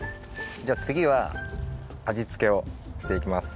じゃあつぎは味つけをしていきます。